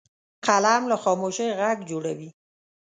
قلم له خاموشۍ غږ جوړوي